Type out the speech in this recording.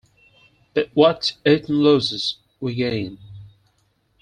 But what Eton loses, we gain.